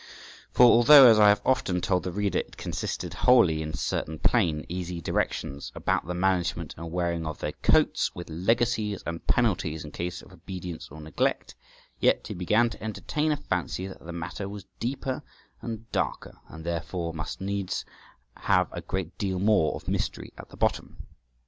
For although, as I have often told the reader, it consisted wholly in certain plain, easy directions about the management and wearing of their coats, with legacies and penalties in case of obedience or neglect, yet he began to entertain a fancy that the matter was deeper and darker, and therefore must needs have a great deal more of mystery at the bottom.